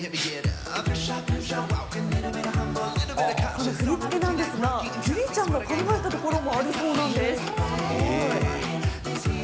この振り付けなんですが、樹李ちゃんが考えたところもあるそうなんです。